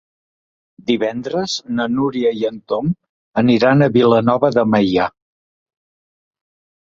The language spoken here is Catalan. Divendres na Núria i en Tom aniran a Vilanova de Meià.